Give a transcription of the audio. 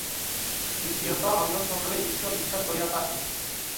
দ্বিতীয়ত আমরা সকলেই ঈশ্বর বিশ্বাস করিয়া থাকি।